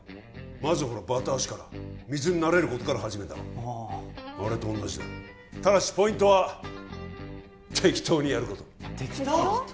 まずバタ足から水に慣れることから始めるだろあああれと同じだただしポイントは適当にやること適当！？